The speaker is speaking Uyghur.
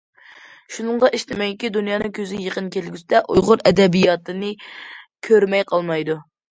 شۇنىڭغا ئىشىنىمەنكى، دۇنيانىڭ كۆزى يېقىن كەلگۈسىدە ئۇيغۇر ئەدەبىياتىنى كۆرمەي قالمايدۇ.